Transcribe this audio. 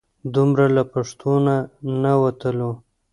دومره له پښتو نه نه وتلو.